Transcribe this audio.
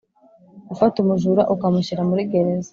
gufata umujura ukamushyira muri gereza.